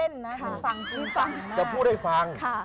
ฉันก็ไม่ได้ฟังเล่นนะจะพูดให้ฟัง